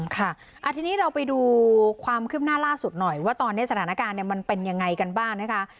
ค่ะทีนี้เราไปดูความคืบหน้าล่าสุดหน่อยว่าตอนนี้สถานการณ์มันเป็นยังไงกันบ้างนะคะ